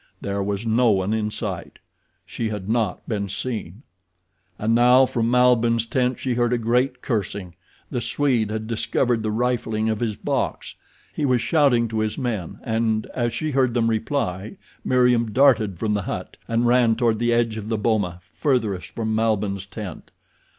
There was no one in sight. She had not been seen. And now from Malbihn's tent she heard a great cursing. The Swede had discovered the rifling of his box. He was shouting to his men, and as she heard them reply Meriem darted from the hut and ran toward the edge of the boma furthest from Malbihn's tent.